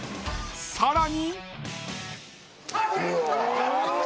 ［さらに］